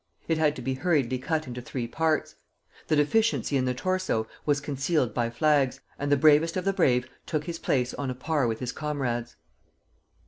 It had to be hurriedly cut into three parts. The deficiency in the torso was concealed by flags, and the "bravest of the brave" took his place on a par with his comrades.